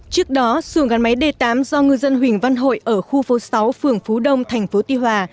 trước đó xuồng gắn máy d tám do ngư dân huỳnh văn hội ở khu phố sáu phường phú đông thành phố tuy hòa